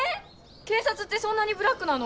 警察ってそんなにブラックなの？